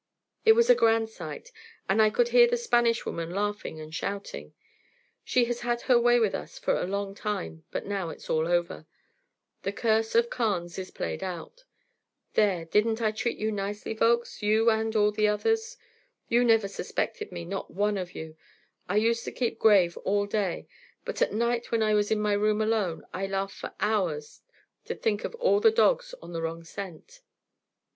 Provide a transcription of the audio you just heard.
It was a grand sight, and I could hear the Spanish woman laughing and shouting. She has had her way with us for a long time, but now it's all over; the curse of the Carnes is played out. There, didn't I cheat you nicely, Volkes, you and all the others? You never suspected me, not one of you. I used to keep grave all day, but at night when I was in my room alone I laughed for hours to think of all the dogs on the wrong scent."